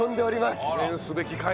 記念すべき回に。